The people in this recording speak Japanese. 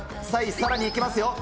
さらにいきますよ。